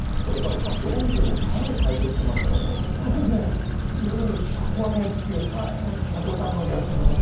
どう見てもかなり改造していますよねいわゆるシャコ上げシャコタンの逆。